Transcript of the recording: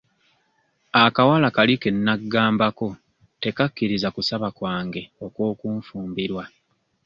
Akawala kali ke naggambako tekakkiriza kusaba kwange okw'okunfumbirwa.